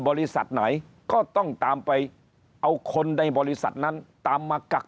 บริษัทไหนก็ต้องตามไปเอาคนในบริษัทนั้นตามมากัก